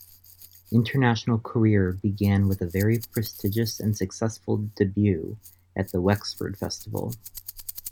International career began with a very prestigious and successful debut at the Wexford Festival.